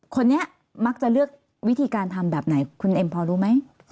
คนนี้มักจะเลือกวิธีการทำแบบไหนคุณเอ็มพอรู้ไหม